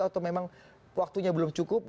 atau memang waktunya belum cukup